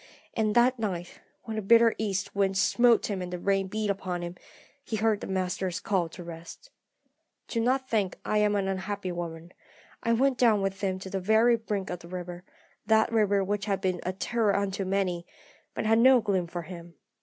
And that night, when the bitter east wind smote him and the rain beat upon him, he heard the Master's call to rest. "Do not think that I am an unhappy woman. I went down with him to the very brink of the river that river which has been a terror unto many, but had no gloom for him.